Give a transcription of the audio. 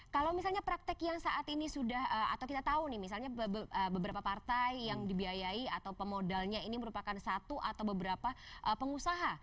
kalau misalnya praktek yang saat ini sudah atau kita tahu nih misalnya beberapa partai yang dibiayai atau pemodalnya ini merupakan satu atau beberapa pengusaha